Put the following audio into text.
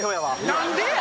何でや！